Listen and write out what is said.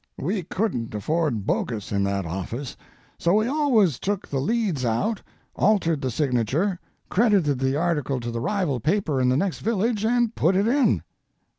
We couldn't afford "bogus" in that office, so we always took the leads out, altered the signature, credited the article to the rival paper in the next village, and put it in.